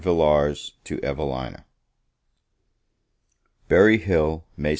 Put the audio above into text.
VILLARS TO EVELINA Berry Hill, May 2.